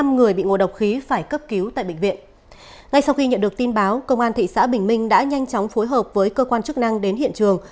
ngay sau khi nhận được tin báo công an thị xã bình minh đã nhanh chóng phối hợp với cơ quan chức năng đến hiện trường